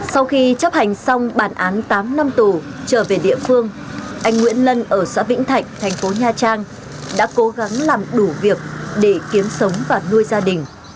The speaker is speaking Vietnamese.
sau khi chấp hành xong bản án tám năm tù trở về địa phương anh nguyễn lân ở xã vĩnh thạnh thành phố nha trang đã cố gắng làm đủ việc để kiếm sống và nuôi gia đình